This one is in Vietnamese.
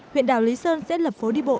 huyện đảo lý sơn sẽ lập phố đi bộ